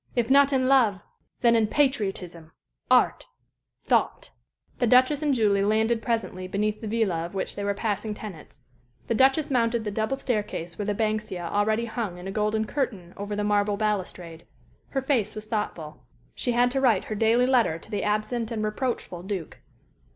If not in love, then in patriotism art thought." The Duchess and Julie landed presently beneath the villa of which they were the passing tenants. The Duchess mounted the double staircase where the banksia already hung in a golden curtain over the marble balustrade. Her face was thoughtful. She had to write her daily letter to the absent and reproachful Duke.